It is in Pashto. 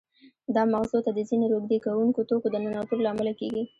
دا مغزو ته د ځینې روږدې کوونکو توکو د ننوتلو له امله کېږي.